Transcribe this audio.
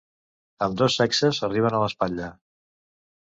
Ambdós sexes arriben a l'espatlla.